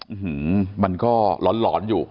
อื้อฮือมันก็ร้อนอยู่